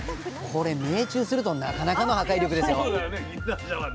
これ命中するとなかなかの破壊力ですよ